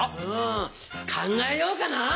うん考えようかな？